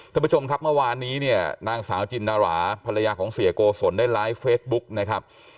ท่านผู้ชมครับเมื่อวานนี้เนี่ยนางสาวจินดาราภรรยาของเสียโกศลได้ไลฟ์เฟซบุ๊กนะครับ